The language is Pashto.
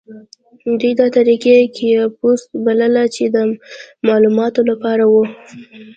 دوی دا طریقه کیوپوس بلله چې د معلوماتو لپاره وه.